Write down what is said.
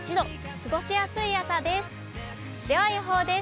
過ごしやすい朝です。